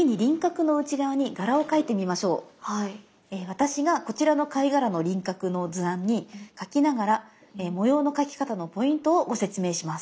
私がこちらの貝殻の輪郭の図案に描きながら模様の描き方のポイントをご説明します。